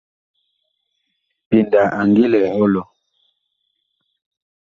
PENDA a ngi lɛ a ɔlɔ.